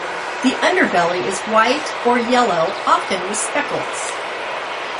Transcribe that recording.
The underbelly is white or yellow often with speckles.